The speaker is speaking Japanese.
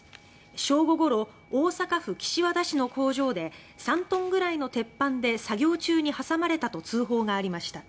正午ごろ大阪府岸和田市の工場で３トンぐらいの鉄板で作業中に挟まれたと通報がありました。